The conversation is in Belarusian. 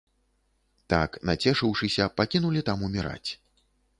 Так, нацешыўшыся, пакінулі там уміраць.